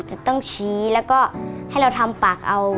จะต้องชี้แล้วก็ให้เราทำปากเอา